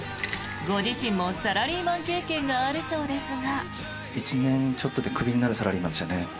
ご自身もサラリーマン経験があるそうですが。